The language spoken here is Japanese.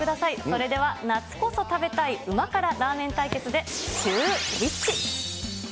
それでは夏こそ食べたい旨辛ラーメン対決でシューＷｈｉｃｈ。